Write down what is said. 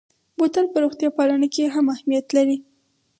بوتل په روغتیا پالنه کې هم اهمیت لري.